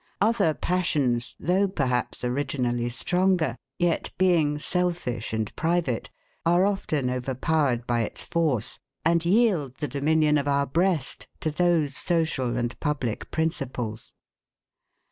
Other passions, though perhaps originally stronger, yet being selfish and private, are often overpowered by its force, and yield the dominion of our breast to those social and public principles.